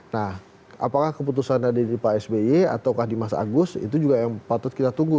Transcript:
nah apakah keputusan ada di pak sby ataukah di mas agus itu juga yang patut kita tunggu